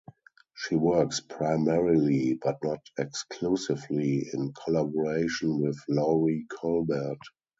She works primarily but not exclusively in collaboration with Laurie Colbert.